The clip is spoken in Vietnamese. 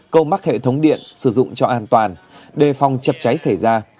câu mắc hệ thống điện sử dụng cho an toàn đề phòng chập cháy xảy ra